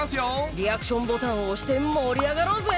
リアクションボタンを押して盛り上がろうぜ！